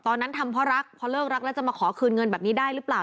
ตอนนั้นทำเพราะรักพอเลิกรักแล้วจะมาขอคืนเงินแบบนี้ได้หรือเปล่า